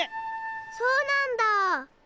・そうなんだ！